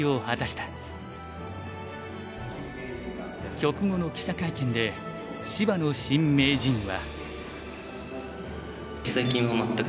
局後の記者会見で芝野新名人は。